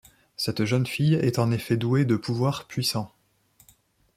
Cette jeune fille est en effet douée de pouvoirs puissants.